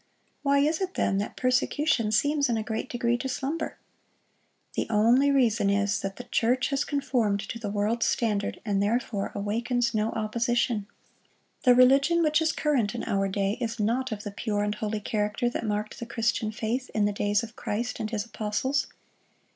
(68) Why is it, then, that persecution seems in a great degree to slumber? The only reason is, that the church has conformed to the world's standard, and therefore awakens no opposition. The religion which is current in our day is not of the pure and holy character that marked the Christian faith in the days of Christ and His apostles.